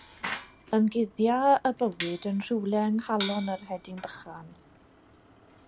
Ymguddia y bywyd yn rhywle yng nghalon yr hedyn bychan.